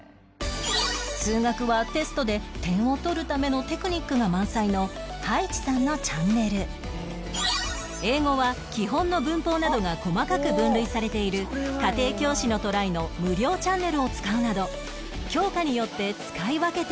数学はテストで点を取るためのテクニックが満載の葉一さんのチャンネル英語は基本の文法などが細かく分類されている家庭教師のトライの無料チャンネルを使うなど教科によって使い分けているといいます